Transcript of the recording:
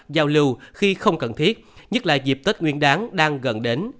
giao lưu khi không cần thiết nhất là dịp tết nguyên đáng đang gần đến